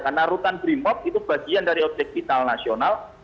karena rutan grimob itu bagian dari objek vital nasional